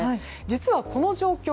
実はこの状況